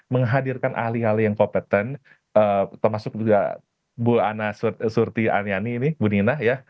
menghadirkan ahli ahli yang kompeten termasuk juga bu ana surti ariani ini bu nina ya